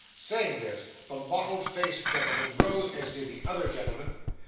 Saying this, the mottled faced gentleman rose, as did the other gentlemen.